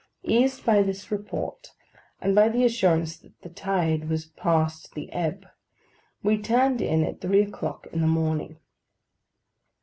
Eased by this report, and by the assurance that the tide was past the ebb, we turned in at three o'clock in the morning.